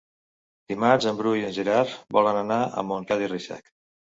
Dimarts en Bru i en Gerard volen anar a Montcada i Reixac.